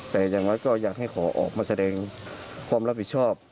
แต่อย่างน้อยก็อยากให้ขอออกมาแสดงความรับผิดชอบ